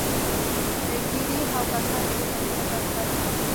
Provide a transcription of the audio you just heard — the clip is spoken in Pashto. ګیري او کسان یې بېرته خپلو کارونو ته ستانه شول